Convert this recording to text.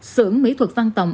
sưởng mỹ thuật văn tòng